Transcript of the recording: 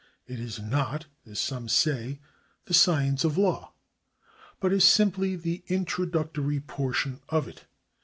It is not, as some say, the science of law, but is simply the introductory portion of it.